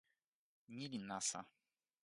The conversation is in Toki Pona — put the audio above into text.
ni li nasa.